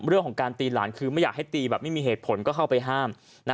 เรื่องของการตีหลานคือไม่อยากให้ตีแบบไม่มีเหตุผลก็เข้าไปห้าม